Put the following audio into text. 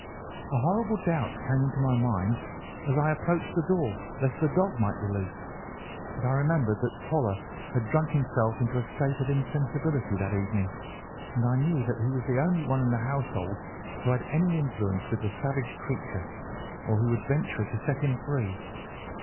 A horrible doubt came into my mind as I approached the door lest the dog might be loose, but I remembered that Toller had drunk himself into a state of insensibility that evening, and I knew that he was the only one in the household who had any influence with the savage creature, or who would venture to set him free.